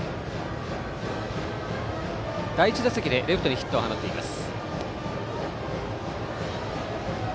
第１打席でレフトにヒットを放っています。